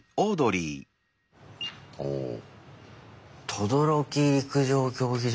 「等々力陸上競技場」